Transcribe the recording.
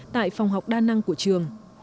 tại phòng học đa năng của trường